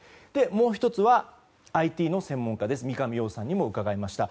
もう１つは、ＩＴの専門家三上洋さんにも伺いました。